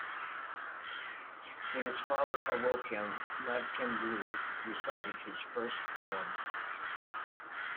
When his father awoke him, Magtymguly recited his first poem.